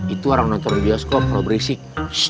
itu orang notori bioskop kalau berisik